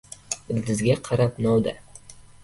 • Ildizga qarab novda.